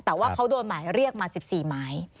แต่ว่าเขาโดนหมายเรียกมา๑๔หมาย